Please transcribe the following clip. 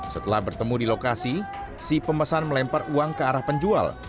setelah bertemu di lokasi si pemesan melempar uang ke arah penjual